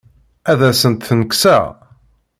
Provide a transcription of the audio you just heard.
Ad asent-ten-kkseɣ?